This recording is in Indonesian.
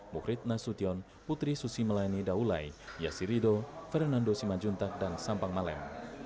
mukrit nasution putri susi melayani daulai yasirido fernando simanjuntak dan sampang malem